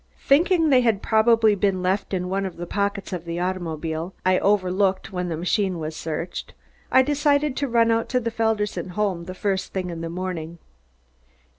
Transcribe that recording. Thinking they had probably been left in one of the pockets of the automobile, and overlooked when the machine was searched, I decided to run out to the Felderson home the first thing in the morning.